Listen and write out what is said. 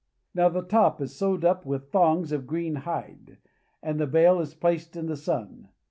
Now the top is sewed up with thongs of green hide, and the bale is placed in the sun.